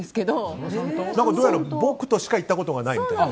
どうやら僕としか行ったことがないと。